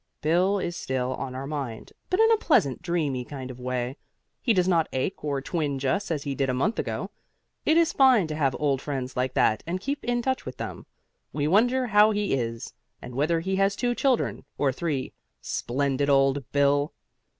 Bill is still on our mind, but in a pleasant, dreamy kind of way. He does not ache or twinge us as he did a month ago. It is fine to have old friends like that and keep in touch with them. We wonder how he is and whether he has two children or three. Splendid old Bill!